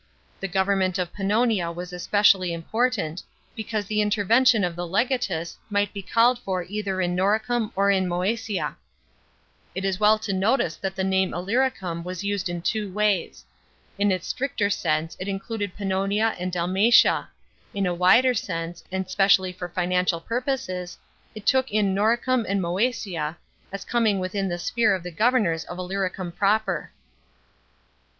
The government of Pannonia was specially important, because the intervention of the legatus might be called for either in Noricum or in Moasia. It is well to notice that the nam e lllvricum was used in two ways. In its stricter sense it included Pannonia and Dalmatia; in a wider sense (and specially for financial purposes) it took in Noricum and Moesia, as coming within the sphere of the governors of Illyricum proper.